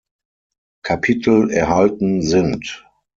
Kapitel erhalten sind.